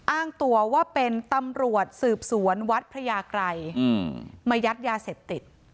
อ้างตัวว่าเป็นตำรวจสืบสวนวัดพระยากรัยมายัดยาเสพติด